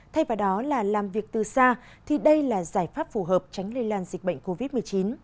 thay vào đó là làm việc từ xa thì đây là giải pháp phù hợp tránh lây lan dịch bệnh covid một mươi chín